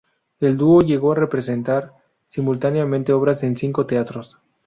El dúo llegó a representar simultáneamente obras en cinco teatros.